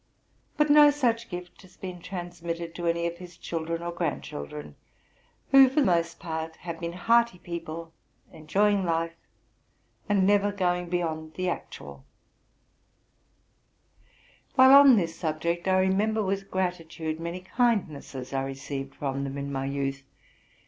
But no such gift has been transmitted to any of his children or grandchildren, who, for the most part, have been hearty people, enjoying life, and never going beyond the actual. While on this subject, I remember with gratitude many kindnesses I received from them in my youth.